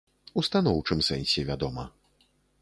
У станоўчым сэнсе, вядома.